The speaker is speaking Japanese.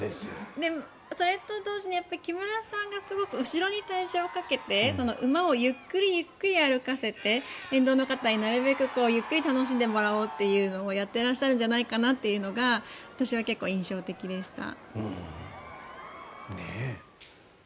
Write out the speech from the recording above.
それと同時に、木村さんがすごく後ろに体重をかけて馬をゆっくりゆっくり歩かせて沿道の方になるべくゆっくり楽しんでもらおうっていうことをやっていらっしゃるんじゃないかなというのが私は結構、印象的でした。